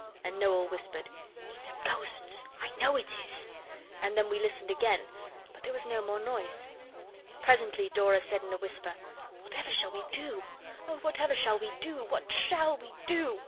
And Noel whispered 'It's ghosts, I know it is' and then we listened again, but there was no more noise. Presently Dora said in a whisper 'Whatever shall we do? Oh, whatever shall we do what shall we do?